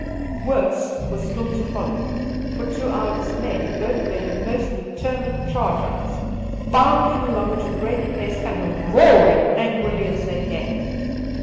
Worse was still to follow, for to our dismay both made a most determined charge on us, bounding along at a great pace and roaring angrily as they came.